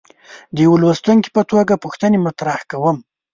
د یوه لوستونکي په توګه پوښتنې مطرح کوم.